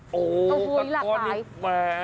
โอ้โหกะท้อนอีกแม้